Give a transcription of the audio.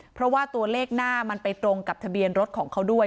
เพราะว่าตัวเลขหน้ามันไปตรงกับทะเบียนรถของเขาด้วย